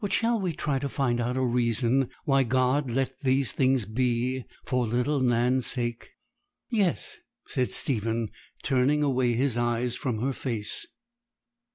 But shall we try to find out a reason why God let these things be for little Nan's sake?' 'Yes,' said Stephen, turning away his eyes from her face.